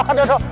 aduh aduh aduh